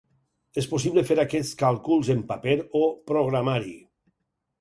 És possible fer aquests càlculs en paper o programari.